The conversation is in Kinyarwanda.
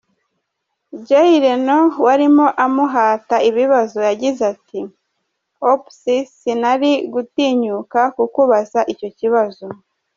Jay Leno warimo amuhata ibibazo yagize ati “Oups, sinari gutinyuka kukubaza icyo kibazo”.